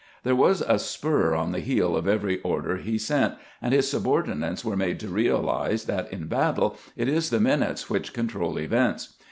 There was a spur on the heel of every order he sent, and his subordinates were made to realize that in battle it is the minutes which control events.